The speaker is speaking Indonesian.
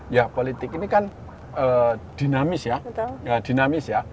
ya politik ini kan dinamis ya